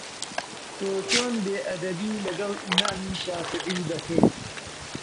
تۆ چۆن بێئەدەبی لەگەڵ ئیمامی شافیعی دەکەی؟